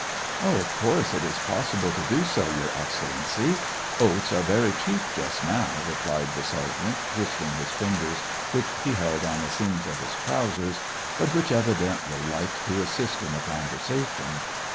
"Of course, it is possible to do so, Your Ex cellency! Oats are very cheap just now," replied the sergeant, twitching his fingers, which he held on the seams of his trousers, but which evidently liked to assist in the conversation.